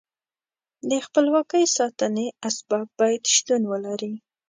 د خپلواکۍ ساتنې اسباب باید شتون ولري.